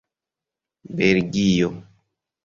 belgio